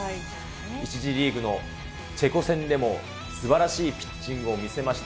１次リーグのチェコ戦でもすばらしいピッチングを見せました。